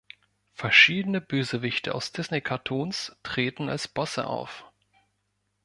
Verschiedene Bösewichte aus Disney-Cartoons treten als Bosse auf.